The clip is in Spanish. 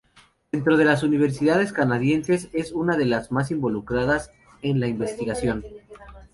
Dentro de las universidades canadienses, es una de las más involucradas en la investigación.